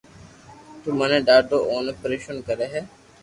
تو مني ڌاڌو اوني پرآݾون ڪري ھي